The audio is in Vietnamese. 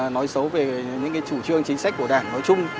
nói xấu về những chủ trương chính sách của đảng nói chung